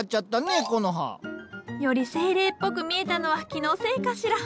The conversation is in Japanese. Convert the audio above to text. コノハ。より精霊っぽく見えたのは気のせいかしら？